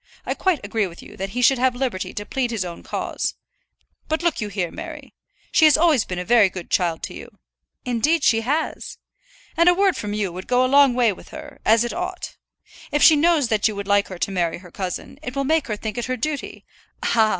I quite agree with you that he should have liberty to plead his own cause. But look you here, Mary; she has always been a very good child to you " "Indeed she has." "And a word from you would go a long way with her, as it ought. If she knows that you would like her to marry her cousin, it will make her think it her duty " "Ah!